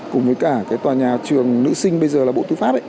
cùng với cả cái tòa nhà trường nữ sinh bây giờ là bộ tư pháp ấy